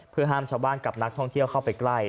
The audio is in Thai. เพื่อห้ามชาวบ้านกับนักท่องเที่ยวเข้าไปใกล้